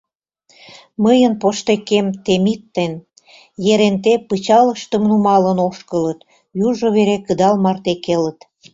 Мыйын поштекем Темит ден Еренте пычалыштым нумалын ошкылыт, южо вере кыдал марте келыт.